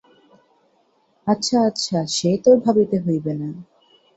আচ্ছা আচ্ছা, সে তোর ভাবিতে হইবে না।